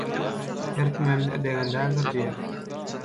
Her kimem degen däldir diýer.